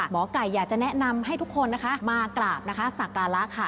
หมอไก่อยากจะแนะนำให้ทุกคนนะคะมากราบนะคะสักการะค่ะ